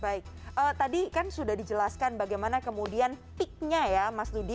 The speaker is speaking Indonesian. baik tadi kan sudah dijelaskan bagaimana kemudian peaknya ya mas dudi